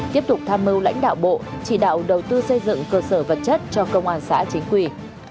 tiếp tục tham mưu lãnh đạo bộ chỉ đạo đầu tư xây dựng cơ sở vật chất cho công an xã chính quy